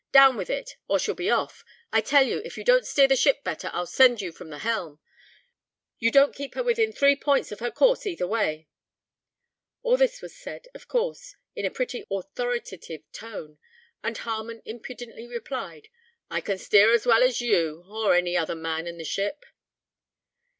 Down with it, or she'll be off! I tell you, if you don't steer the ship better, I'll send you from the helm. You don't keep her within three points of her course either way!" All this was said, of course, in a pretty authoritative tone, and Harmon impudently replied, "I can steer as well as you, or any other man in the ship."